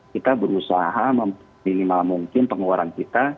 kita berusaha meminimal mungkin pengeluaran kita